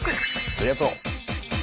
ありがとう！